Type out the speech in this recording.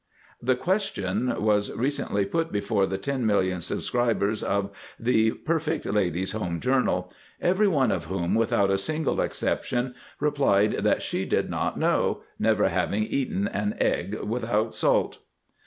(?) The question was recently put before the Ten Million subscribers of The Perfectlady's Home Journal, every one of whom, without a single exception, replied that she did not know—never having eaten an egg without salt.